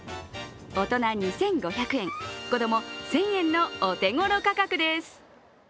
大人２５００円、子供１０００円のお手頃価格です。